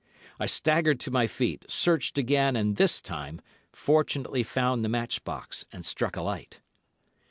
I staggered to my feet, searched again, and, this time, fortunately found the match box and struck a light.